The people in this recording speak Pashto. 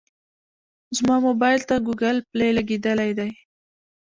زما موبایل ته ګوګل پلی لګېدلی دی.